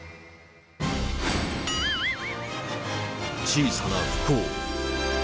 小さな不幸。